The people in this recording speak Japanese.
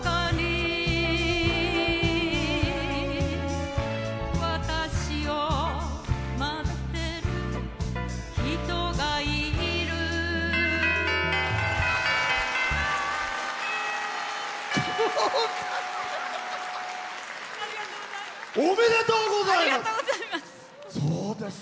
ありがとうございます。